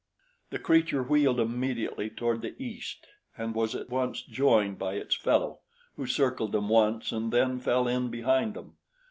The creature wheeled immediately toward the east and was at once joined by its fellow, who circled them once and then fell in behind them.